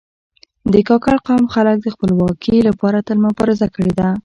د کاکړ قوم خلک د خپلواکي لپاره تل مبارزه کړې ده.